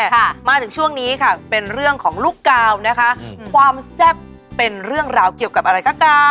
ค่ะมาถึงช่วงนี้ค่ะเป็นเรื่องของลูกกาวนะคะอืมความแซ่บเป็นเรื่องราวเกี่ยวกับอะไรก็ตาม